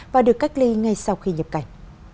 và được cách ly ngay sau khi nhập cảnh